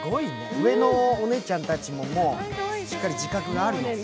上のお姉ちゃんたちも、しっかり自覚があるんでしょ。